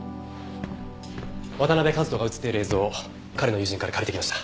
渡辺和登が映っている映像を彼の友人から借りてきました。